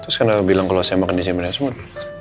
terus kan aku bilang kalau saya makan di sini banyak semut